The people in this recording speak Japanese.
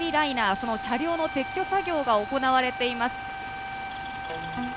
その車両の撤去作業が行われています。